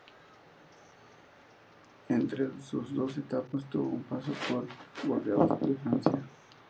Entre sus dos etapas tuvo un paso por el Bordeaux de Francia.